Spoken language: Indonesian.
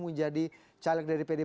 menjadi caleg dari pdip